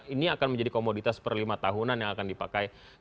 ini akan menjadi komoditas per lima tahunan yang akan dipakai